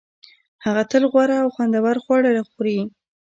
هغه تل غوره او خوندور خواړه خوري